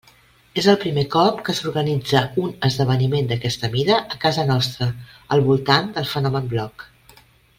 És el primer cop que s'organitza un esdeveniment d'aquesta mida a casa nostra al voltant del fenomen bloc.